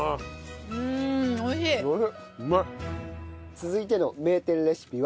続いての名店レシピは。